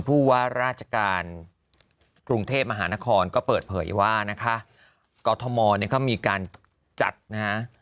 ผู้ว่าราชการกรุงเทพมหานครก็เปิดเผยว่านะคะกอทมเนี่ยเขามีการจัดนะฮะ